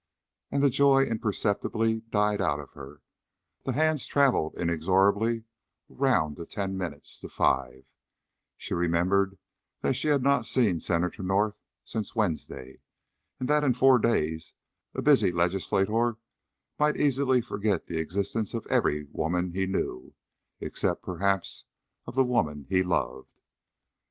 And the joy imperceptibly died out of her; the hands travelled inexorably round to ten minutes to five; she remembered that she had not seen Senator North since Wednesday, and that in four days a busy legislator might easily forget the existence of every woman he knew, except perhaps of the woman he loved.